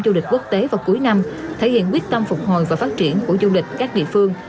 du lịch quốc tế vào cuối năm thể hiện quyết tâm phục hồi và phát triển của du lịch các địa phương